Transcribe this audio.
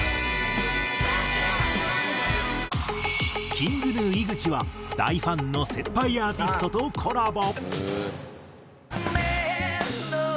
ＫｉｎｇＧｎｕ井口は大ファンの先輩アーティストとコラボ。